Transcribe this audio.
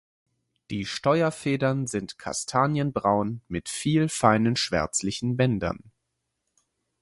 Die Steuerfedern sind kastanienbraun mit viel feinen schwärzlichen Bändern.